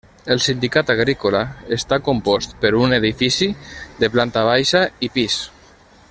El sindicat agrícola està compost per un edifici de planta baixa i pis.